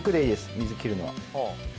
水切るのは。